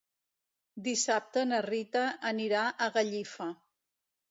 Dissabte na Rita anirà a Gallifa.